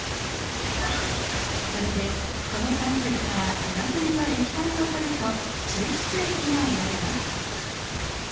これでこのサンプルから上澄みの液体をとると抽出液が得られます。